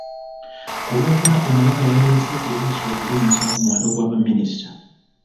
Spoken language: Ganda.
Ku Lwokuna omubaka yaleese ekiteeso okulinnyisa ku muwendo gwa baminisita.